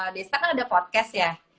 desa kan ada podcast ya